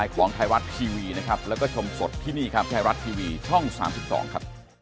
โปรดติดตามตอนต่อไป